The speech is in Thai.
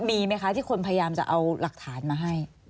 มีไหมคะที่คนพยายามจะเอาหลักฐานมาให้